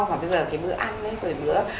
mà bây giờ cái bữa ăn với tuổi bữa